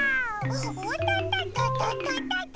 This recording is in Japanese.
おととととととと。